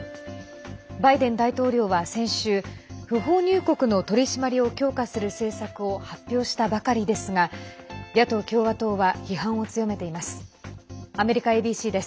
バイデン大統領は先週不法入国の取り締まりを強化する政策を発表したばかりですが野党・共和党は批判を強めています。